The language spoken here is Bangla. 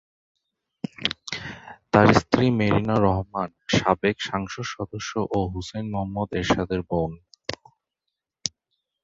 তার স্ত্রী মেরিনা রহমান সাবেক সংসদ সদস্য ও হুসেইন মুহাম্মদ এরশাদের বোন।